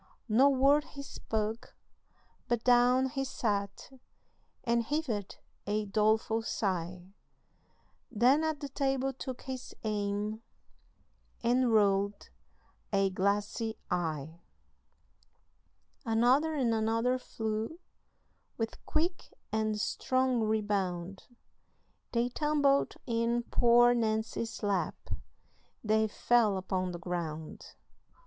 No word he spake, but down he sat, And heaved a doleful sigh, Then at the table took his aim And rolled a glassy eye. Another and another flew, With quick and strong rebound, They tumbled in poor Nancy's lap, They fell upon the ground.